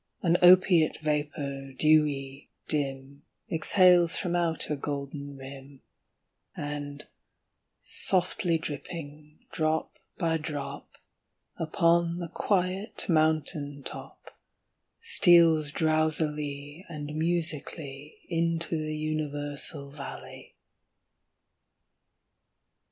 An opiate vapor, dewy, dim, Exhales from out her golden rim, And, softly dripping, drop by drop, Upon the quiet mountain top, Steals drowsily and musically Into the universal valley.